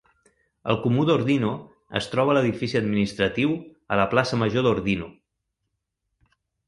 El Comú d'Ordino es troba a l'Edifici Administratiu a la plaça Major d'Ordino.